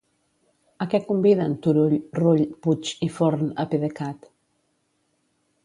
A què conviden Turull, Rull, Puig i Forn a PDECat?